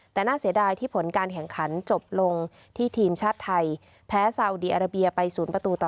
แต่น่าเสียดายที่ผลการแข่งขันจบลงที่ทีมชาติไทยแพ้ซาวดีอาราเบียไป๐ประตูต่อ